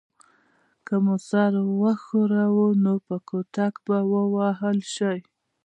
که مو سر وښوراوه نو په کوتک به ووهل شئ.